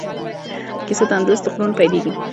کیسه د اندلس له غرونو پیلیږي.